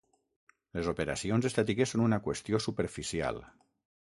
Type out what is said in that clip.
Les operacions estètiques són una qüestió superficial.